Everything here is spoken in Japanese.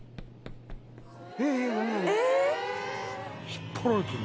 引っ張られてる。